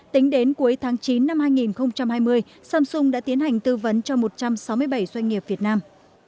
tính đến cuối tháng chín năm hai nghìn hai mươi samsung đã tiến hành tư vấn cho một trăm sáu mươi bảy doanh nghiệp việt nam